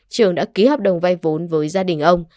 trường đã ký hợp đồng vay vốn với gia đình ông